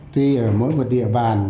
tuy ở mỗi một địa bàn